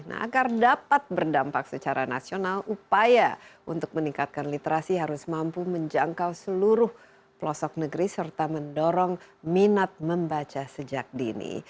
nah agar dapat berdampak secara nasional upaya untuk meningkatkan literasi harus mampu menjangkau seluruh pelosok negeri serta mendorong minat membaca sejak dini